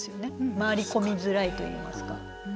回り込みづらいといいますか。